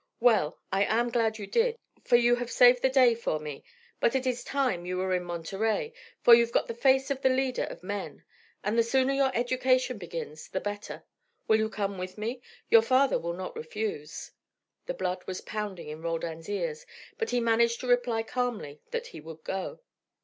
Well, I am glad you did, for you have saved the day for me. But it is time you were in Monterey, for you've got the face of the leader of men, and the sooner your education begins the better. Will you come with me? Your father will not refuse." The blood was pounding in Roldan's ears, but he managed to reply calmly that he would go.